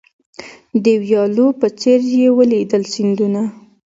د ویالو په څېر یې ولیدل سیندونه